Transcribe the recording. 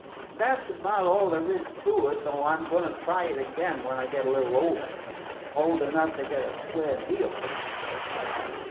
That 's about all there is to it, though I 'm going to try it again when I get a little older old enough to get a square deal for myself."